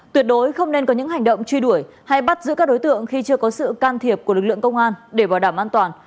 tuyệt đối không nên có những hành động truy đuổi hay bắt giữ các đối tượng khi chưa có sự can thiệp của lực lượng công an để bảo đảm an toàn